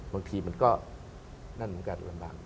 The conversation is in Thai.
บางทีมันก็นั่นเหมือนกันลำบาก